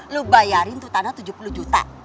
lo bayarin tuh tanah tujuh puluh juta